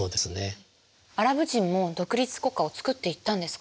アラブ人も独立国家をつくっていったんですか？